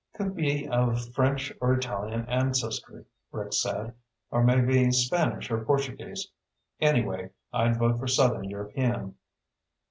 "Could be of French or Italian ancestry," Rick said. "Or, maybe, Spanish or Portuguese. Anyway, I'd vote for Southern European."